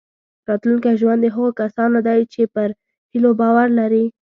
راتلونکی ژوند د هغو کسانو دی چې پر هیلو باور لري.